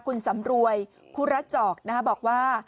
คุณสำรวยคุระจอกบอกว่า